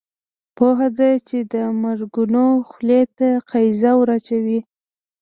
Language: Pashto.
پوهه ده چې د مرګونو خولې ته قیضه ور اچوي.